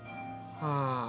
ああ